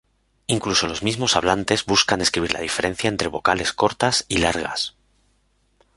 Incluso los mismos hablantes buscan escribir la diferencia entre vocales cortas y largas.